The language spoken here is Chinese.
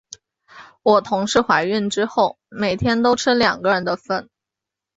我同事怀孕之后，每天都吃两个人的份。